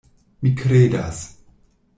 Mi kredas.